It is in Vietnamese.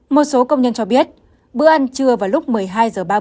một số công nhân cho biết bữa ăn trưa vào lúc một mươi hai h ba mươi